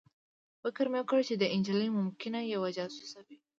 فکر مې وکړ چې دا نجلۍ ممکنه یوه جاسوسه وي